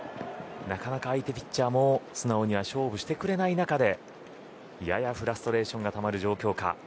なかなか相手ピッチャーも素直に勝負してくれない中ややフラストレーションがたまる状況か。